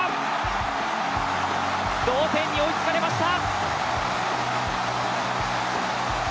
同点に追いつかれました。